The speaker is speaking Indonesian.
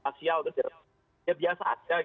asial itu biasa saja